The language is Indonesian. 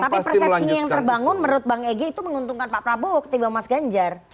tapi persepsinya yang terbangun menurut bang egy itu menguntungkan pak prabowo ketimbang mas ganjar